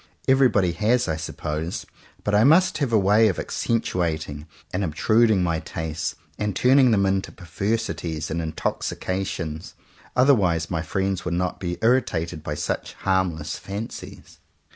Everybody has, I suppose; but I must have a way of accentuating and ob truding my tastes, and turning them into perversities and intoxications; otherwise my friends would not be irritated by such harmless fancies.